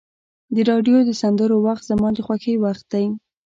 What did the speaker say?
د راډیو د سندرو وخت زما د خوښۍ وخت دی.